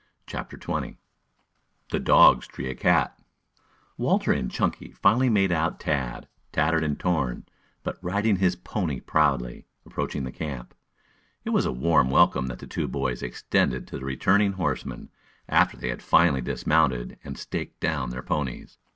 CHAPTER XX THE DOGS TREE A CAT Walter and Chunky finally made out Tad, tattered and torn, but riding his pony proudly, approaching the camp. It was a warm welcome that the two boys extended to the returning horsemen, after they had finally dismounted and staked down their ponies.